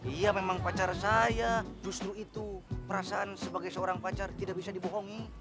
iya memang pacar saya justru itu perasaan sebagai seorang pacar tidak bisa dibohongi